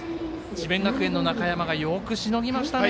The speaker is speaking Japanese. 智弁学園の中山がよくしのぎましたね。